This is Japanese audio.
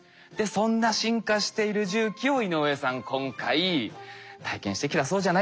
そんな進化している重機を井上さん今回体験してきたそうじゃないですか。